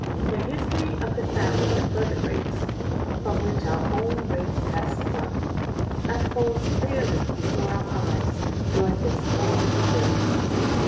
The history of the family of vertebrates, from which our own race has sprung, unfolds clearly before our eyes during this long period.